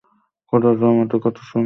খোদার রহমতের কথা শুনেছি আজ দেখেও নিলাম।